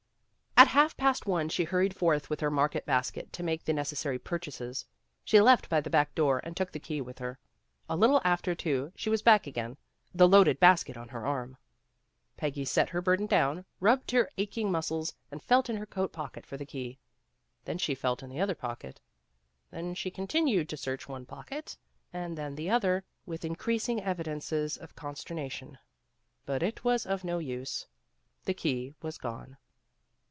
At half past one she hurried forth with her market basket to make the necessary pur chases. She left by the back door and took the key with her. A little after two she was back again, the loaded basket on her arm. Peggy set her burden down, rubbed her ach ing muscles, and felt in her coat pocket for the key. Then she felt in the other pocket. Then she continued to search one pocket and then the other, with increasing evidences of con sternation. But it was of no use. The key was gone.